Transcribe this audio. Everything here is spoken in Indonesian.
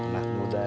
nah muda ya